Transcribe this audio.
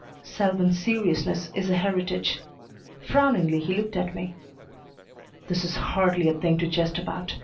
Selwyn's seriousness is a heritage. Frowningly he looked at me. "This is hardly a thing to jest about.